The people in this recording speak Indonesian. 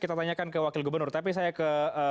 kita tanyakan ke wakil gubernur tapi saya ke